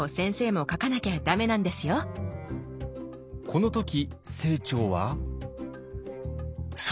この時清張は。